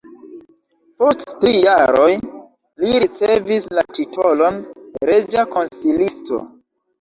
Post tri jaroj li ricevis la titolon reĝa konsilisto.